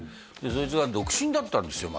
そいつが独身だったんですよ